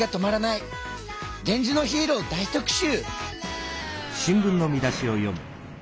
「源氏のヒーロー大特集」。